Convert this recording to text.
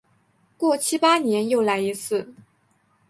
过七八年又来一次。